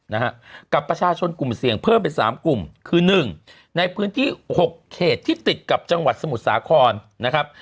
นะฮะกับประชาชนกลุ่มเสี่ยงเพิ่มเป็นสามกลุ่มคือหนึ่งในพื้นที่หกเขตที่ติดกับจังหวัดสมุทรสาครนะครับ